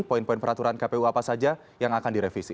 poin poin peraturan kpu apa saja yang akan direvisi